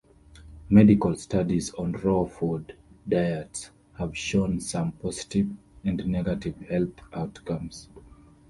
Medical studies on raw food diets have shown some positive and negative health outcomes.